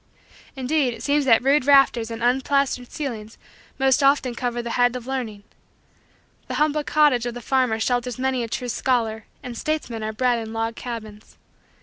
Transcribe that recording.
Indeed it seems that rude rafters and unplastered ceilings most often covers the head of learning. The humble cottage of the farmer shelters many a true scholar and statesmen are bred in log cabins.